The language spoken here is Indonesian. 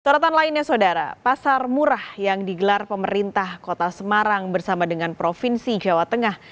sorotan lainnya saudara pasar murah yang digelar pemerintah kota semarang bersama dengan provinsi jawa tengah